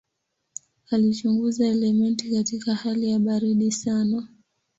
Alichunguza elementi katika hali ya baridi sana.